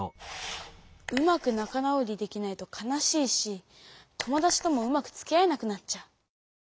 うまく仲直りできないと悲しいし友だちともうまくつき合えなくなっちゃう。